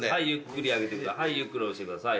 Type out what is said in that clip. はいゆっくり上げてください